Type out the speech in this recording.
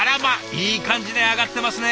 いい感じで揚がってますね。